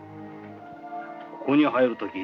ここに入る時